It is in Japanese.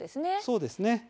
そうです。